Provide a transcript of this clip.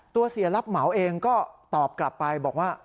เสียรับเหมาเองก็ตอบกลับไปบอกว่า